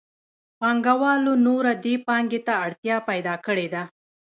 پانګوالو نوره دې پانګې ته اړتیا پیدا کړې ده